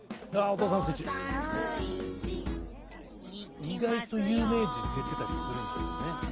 意外と有名人出てたりするんですよね。